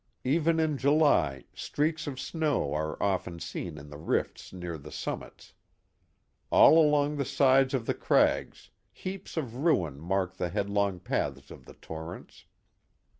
Even in July streaks of snow are often seen in the rifts near the summits. All along the sides of the crags, heaps of ruin mark the headlong paths of the torrents.